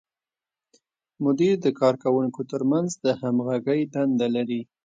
مدیر د کارکوونکو تر منځ د همغږۍ دنده لري.